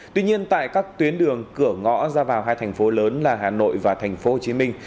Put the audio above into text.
tuy nhiên tại các tuyến đường cửa ngõ ra vào hai thành phố lớn là hà nội và thành phố hồ chí minh